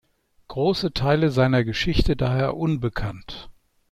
Große Teile seiner Geschichte daher unbekannt.